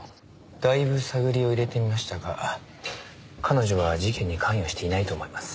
だいぶ探りを入れてみましたが彼女は事件に関与していないと思います。